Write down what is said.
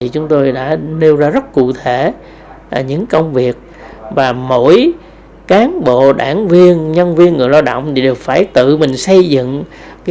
chúng tôi đã nêu ra rất cụ thể những công việc và mỗi cán bộ đảng viên nhân viên người lao động đều phải tự mình xây dựng